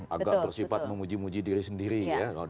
agak bersifat memuji muji diri sendiri ya